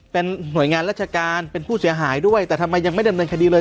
เป็นหน่วยงานราชการเป็นผู้เสียหายด้วยแต่ทำไมยังไม่ดำเนินคดีเลย